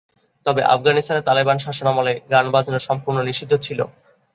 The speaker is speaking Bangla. তবে আফগানিস্তানে তালেবান শাসনামলে গান বাজানো সম্পূর্ণ নিষিদ্ধ ছিল।